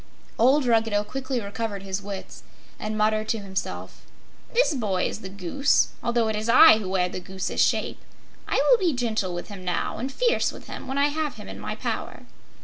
Old Ruggedo quickly recovered his wits and muttered to himself: "This boy is the goose, although it is I who wear the goose's shape. I will be gentle with him now, and fierce with him when I have him in my power."